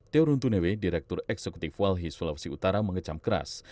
teorun tunewe direktur eksekutif walhi sulafsi utara mengecam keras